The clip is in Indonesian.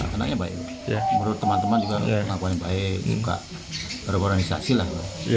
menurut teman teman juga melakukan yang baik buka organisasi lah